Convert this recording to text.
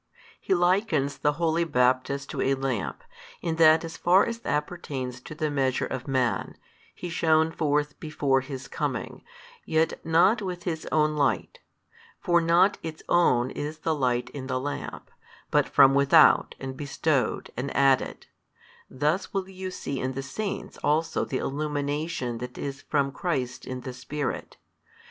He likens the holy Baptist to a lamp, in that as far as appertains to the measure of man, he shone forth before His Coming, yet not with his own light: for not its own is the light in the lamp, but from without and bestowed and added: thus will you see in the saints also the illumination that is from Christ in the Spirit.